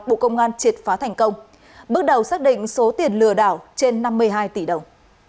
bộ công an triệt phá thành công bước đầu xác định số tiền lừa đảo trên năm mươi hai tỷ đồng